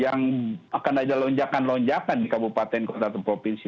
yang akan ada lonjakan lonjakan di kabupaten kota atau provinsi